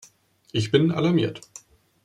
Ich bin alarmiert.